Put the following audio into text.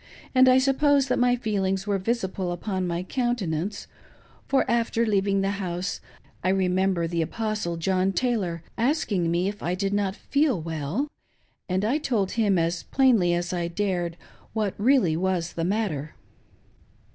and I suppose that my feelings were visible upon my countenance, for, after leaving the House, I remember the Apostle John Taylor asking me if I did not feel well, and I told him as plainly as I dared what really was the matter.